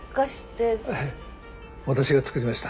ええ私が作りました。